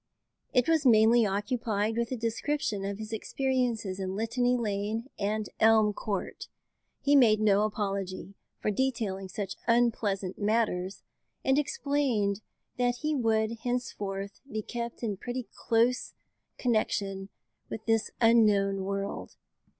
It was mainly occupied with a description of his experiences in Litany Lane and Elm Court. He made no apology for detailing such unpleasant matters, and explained that he would henceforth be kept in pretty close connection with this unknown world.